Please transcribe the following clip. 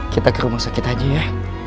kita ke rumah sakit aja ya